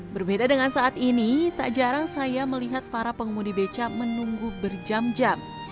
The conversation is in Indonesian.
berbeda dengan saat ini tak jarang saya melihat para pengemudi beca menunggu berjam jam